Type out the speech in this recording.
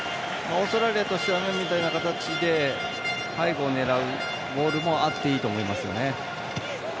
オーストラリアとしては今みたいな形で背後を狙うボールもあっていいと思います。